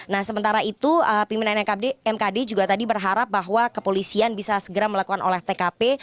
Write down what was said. nah sementara itu pimpinan mkd juga tadi berharap bahwa kepolisian bisa segera melakukan oleh tkp